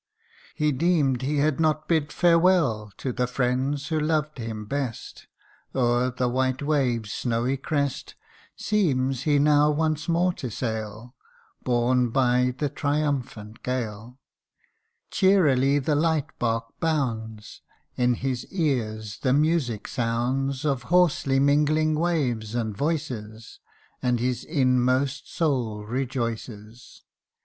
He deemed he had not bid farewell To the friends who loved him best : O'er the white wave's snowy crest Seems he now once more to sail, Borne by the triumphant gale : Cheerily the light bark bounds, In his ears the music sounds Of hoarsely mingling waves and voices, And his inmost soul rejoices